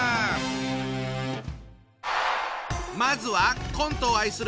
まずはコントを愛する